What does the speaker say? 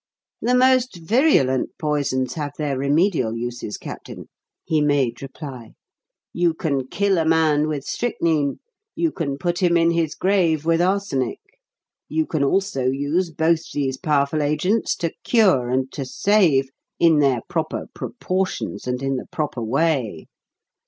"The most virulent poisons have their remedial uses, Captain," he made reply. "You can kill a man with strychnine; you can put him in his grave with arsenic; you can also use both these powerful agents to cure and to save, in their proper proportions and in the proper way.